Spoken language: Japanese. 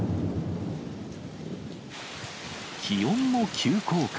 気温も急降下。